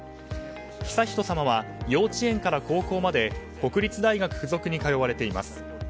悠仁さまは幼稚園から高校まで国立大学附属に通われています。